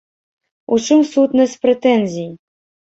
У чым сутнасць прэтэнзій?